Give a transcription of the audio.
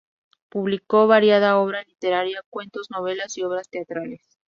Publicó variada obra literaria: cuentos, novelas y obras teatrales.